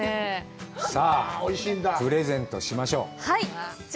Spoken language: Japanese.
さあ、プレゼントしましょう。